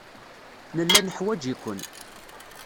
Nella neḥwaj-iken.